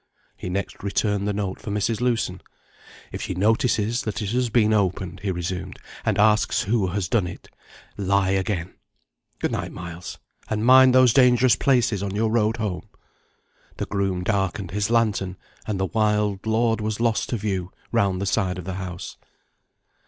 He next returned the note for Mrs. Lewson. "If she notices that it has been opened," he resumed, "and asks who has done it, lie again. Good night, Miles and mind those dangerous places on your road home." The groom darkened his lantern; and the wild lord was lost to view, round the side of the house.